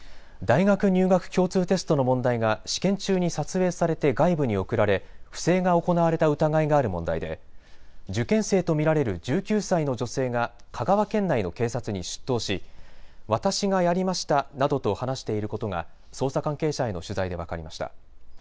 大学入学共通テストの問題が試験中に撮影されて外部に送られ不正が行われた疑いがある問題で受験生と見られる１９歳の女性が香川県内の警察に出頭し私がやりましたなどと話していることが捜査関係者への取材で分かりました。